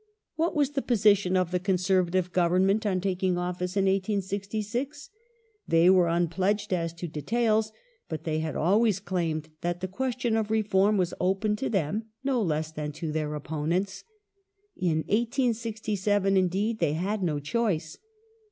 What was the position of the Conservative Government on taking office in 1866 ? They were unpledged as to details, but they had always claimed that the question of reform was open to them no less than to their opponents. In 1867, indeed, they had no choice.